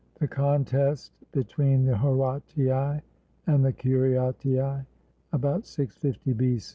THE CONTEST BETW^EEN THE HORATII AND THE CURIATII [About 650B.